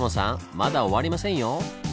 まだ終わりませんよ！